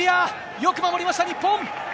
よく守りました、日本。